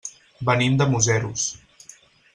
Venim de Museros.